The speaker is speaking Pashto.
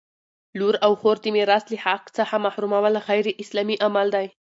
لور او خور د میراث له حق څخه محرومول غیراسلامي عمل دی!